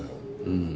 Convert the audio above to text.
うん。